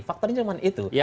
faktornya cuma itu